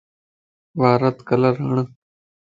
وارنت ڪلر ھڻ